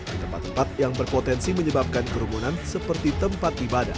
di tempat tempat yang berpotensi menyebabkan kerumunan seperti tempat ibadah